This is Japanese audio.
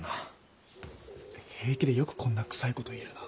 平気でよくこんなくさいこと言えるな。